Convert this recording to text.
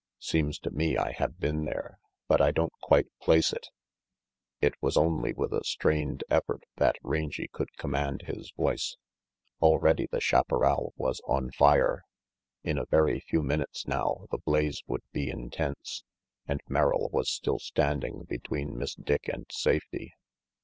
"Seems to me I have been there, but I don't quite place it It was only with a strained effort that Rangy could command his voice. Already the chaparral was on fire. In a very few minutes now the blaze would be intense. And Merrill was still standing between Miss Dick and safety!